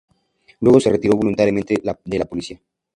Luego se retiró voluntariamente de la política.